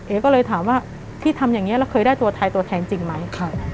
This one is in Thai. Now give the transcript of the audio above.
ก็เลยถามว่าที่ทำอย่างนี้เราเคยได้ตัวไทยตัวแทนจริงไหม